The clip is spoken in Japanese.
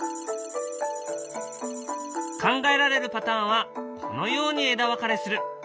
考えられるパターンはこのように枝分かれする。